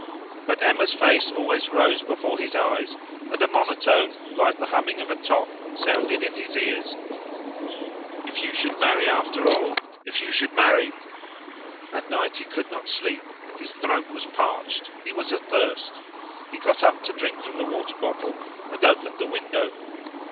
But Emma's face always rose before his eyes, and a monotone, like the humming of a top, sounded in his ears, "If you should marry after all! If you should marry!" At night he could not sleep; his throat was parched; he was athirst. He got up to drink from the water bottle and opened the window.